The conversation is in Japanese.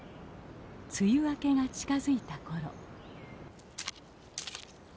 梅雨明けが近づいたころ。